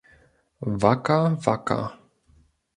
Wacker, wacker.